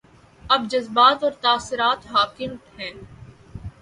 اب جذبات اور تاثرات حاکم ہیں۔